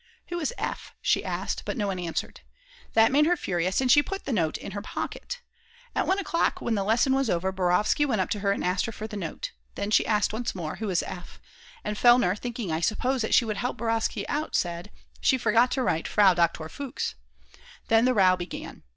"Who is F.?", she asked, but no one answered. That made her furious and she put the note in her pocket. At 1 o'clock, when the lesson was over, Borovsky went up to her and asked her for the note. Then she asked once more: "Who is F.?" And Fellner, thinking I suppose that she would help Borovsky out, said: "She forgot to write Frau Doktor Fuchs." Then the row began.